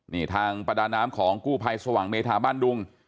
นี่ทางประดาน้ำของกู้ภัยสว่างเมธาบ้านดุง